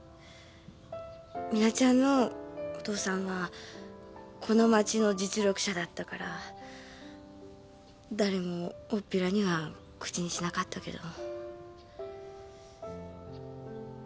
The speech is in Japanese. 実那ちゃんのお父さんはこの町の実力者だったから誰もおおっぴらには口にしなかったけど。